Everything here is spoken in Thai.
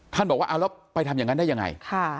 บอกว่าเอาแล้วไปทำอย่างนั้นได้ยังไง